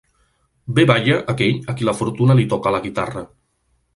Bé balla aquell a qui la fortuna li toca la guitarra.